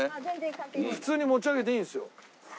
普通に持ち上げていいですよ。